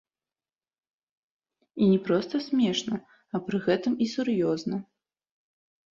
І не проста смешна, а пры гэтым і сур'ёзна.